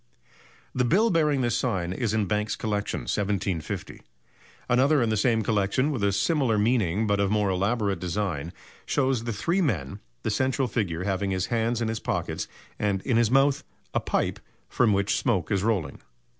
_ The bill bearing this sign is in Banks's Collection, 1750. Another in the same collection, with a similar meaning but of more elaborate design, shows the three men, the central figure having his hands in his pockets and in his mouth a pipe from which smoke is rolling.